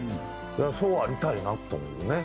そうありたいなって思うよね。